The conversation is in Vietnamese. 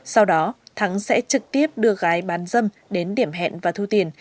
sau đó thắng sẽ trực tiếp đưa gái bán dâm đến điểm hẹn và thu tiền